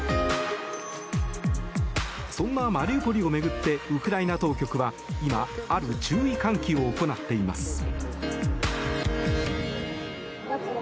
そんなマリウポリを巡ってウクライナ当局は今、ある注意喚起を行っています。